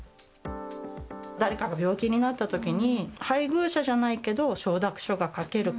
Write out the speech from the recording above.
誰かが病気になったときに、配偶者じゃないけど承諾書が書けるか。